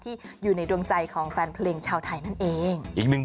อยู่ในดวงใจของแฟนเพลงชาวไทยนั่นเอง